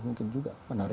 mungkin juga menarik